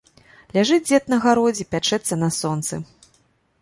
Ляжыць дзед на гародзе, пячэцца на сонцы.